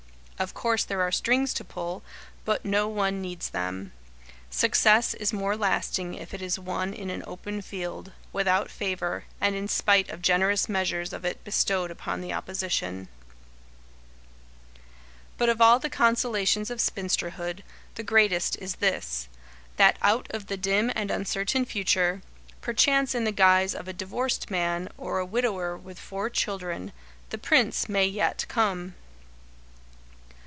Of course there are "strings to pull," but no one needs them. Success is more lasting if it is won in an open field, without favour, and in spite of generous measures of it bestowed upon the opposition. [Sidenote: The Greatest Consolation] But of all the consolations of spinsterhood, the greatest is this, that out of the dim and uncertain future, perchance in the guise of a divorced man or a widower with four children, The Prince may yet come.